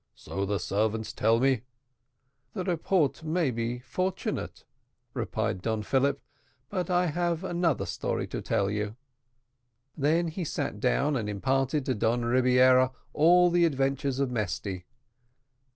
so the servants tell me." "The report may be fortunate," replied Don Philip; "but I have another story to tell you." He then sat down and imparted to Don Rebiera all the adventures of Mesty.